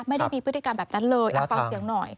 ไม่ได้มีพฤติกรรมแบบนั้นเลยฟังเสียงหน่อย